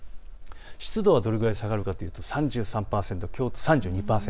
湿度はどれぐらい下がるかといいますと３２％。